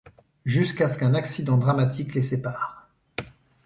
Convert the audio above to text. Jusqu'à ce qu'un accident dramatique les sépare.